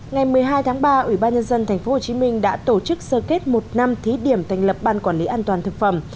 ngày một mươi hai tháng ba ủy ban nhân dân tp hcm đã tổ chức sơ kết một năm thí điểm thành lập ban quản lý an toàn thực phẩm